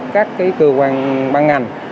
các cơ quan băng ngành